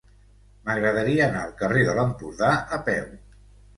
M'agradaria anar al carrer de l'Empordà a peu.